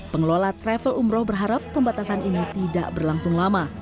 pengelola travel umroh berharap pembatasan ini tidak berlangsung lama